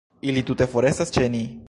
Ili tute forestas ĉe ni.